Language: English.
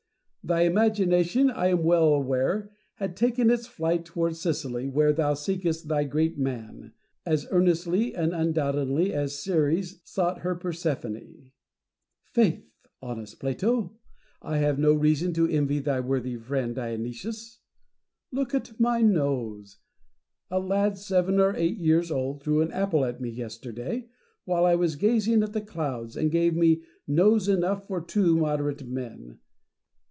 Thy imagination, I am well aware, had taken its flight toward Sicily, where thou seekest thy great man, aa earnestly and undoubtingly as Ceres sought her Persephonfe, Faith ! honest Plato, I have no reason to envy thy worthy friend Dionysius, Look at my nose ! A lad seven or eight years old threw an apple at me yesterday, while I was gazing at the clouds, and gave me nose enough for two moderate men.